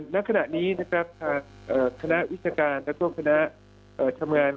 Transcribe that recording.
และขณะนี้นะครับค้านาวิชาการและเพราะค้าพศหมารฯ